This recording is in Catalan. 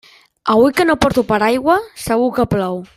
Avui que no porto paraigua segur que plou.